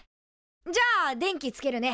じゃあ電気つけるね。